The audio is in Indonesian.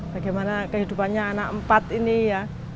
bagaimana kehidupannya anak empat ini ya